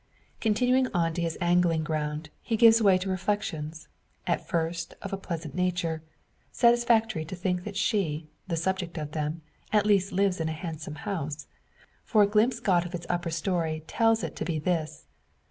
Continuing on to his angling ground, he gives way to reflections at first of a pleasant nature. Satisfactory to think that she, the subject of them, at least lives in a handsome house; for a glimpse got of its upper storey tells it to be this.